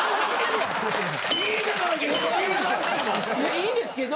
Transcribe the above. いいんですけど。